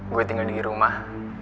gue tinggal dirumah